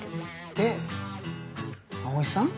で葵さん？